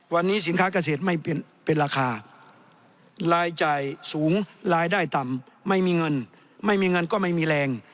วันนี้สินค้าเกษตรไม่เป็นราคารายจ่ายสูงรายได้ต่ำไม่มีเงินไม่มีเงินก็ไม่มีแรง